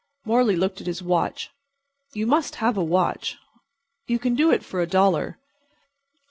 '" Morley looked at his watch. You must have a watch. You can do it for a dollar.